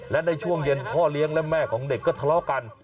และในช่วงเย็นพ่อเลี้ยงและแม่ของเด็กก็ทะเลาะกัน